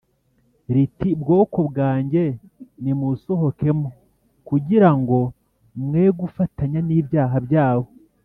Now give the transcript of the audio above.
riti “Bwoko bwanjye, nimuwusohokemo kugira ngo mwe gufatanya n’ibyaha byawo,